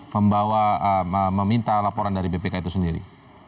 minta laporan dari bpk itu sendiri